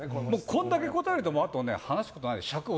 こんだけ答えるとあと話すことないよ。